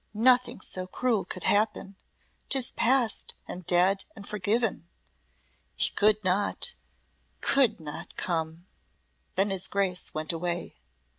Nothing so cruel could happen 'tis past and dead and forgiven. He could not could not come." Then his Grace went away.